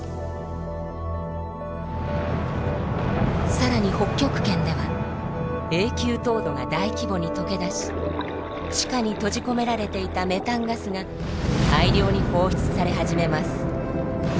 更に北極圏では永久凍土が大規模に解けだし地下に閉じ込められていたメタンガスが大量に放出され始めます。